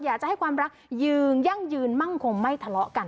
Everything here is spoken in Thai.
อยากจะให้ความรักยืนยั่งยืนมั่งคงไม่ทะเลาะกัน